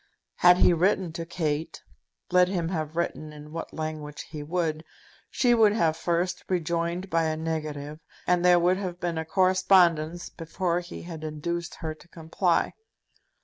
Had he written to Kate, let him have written in what language he would, she would have first rejoined by a negative, and there would have been a correspondence before he had induced her to comply.